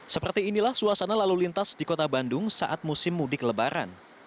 seperti inilah suasana lalu lintas di kota bandung saat musim mudik lebaran